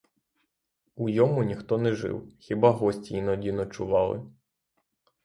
У йому ніхто не жив, хіба гості іноді ночували.